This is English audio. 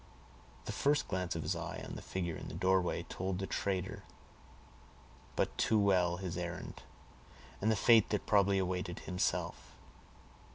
The first glance of his eye on the figure in the doorway told the trader but too well his errand, and the fate that probably awaited himself.